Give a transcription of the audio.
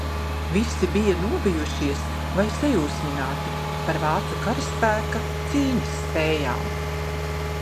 Visi bija nobijušies vai sajūsmināti par vācu karaspēka cīņas spējām.